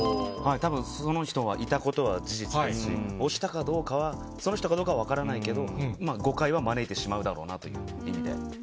たぶん、その人はいたことは事実ですし、押したかどうかは、その人かどうかは分からないけど、誤解は招いてしまうだろうなという意味で。